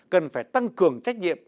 cần phải tăng cường trách nhiệm